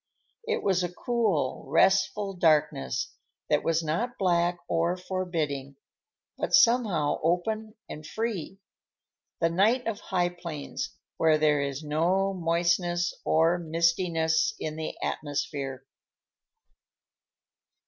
It was a cool, restful darkness that was not black or forbidding, but somehow open and free; the night of high plains where there is no moistness or mistiness in the atmosphere.